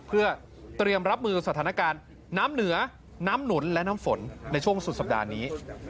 เพื่อเตรียมรับมือสถานการณ์น้ำเหนือน้ำหนุนและน้ำฝนในช่วงสุดสัปดาห์นี้